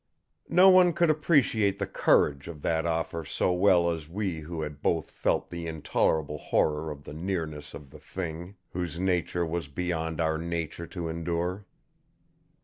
No one could appreciate the courage of that offer so well as we who had both felt the intolerable horror of the nearness of the Thing whose nature was beyond our nature to endure.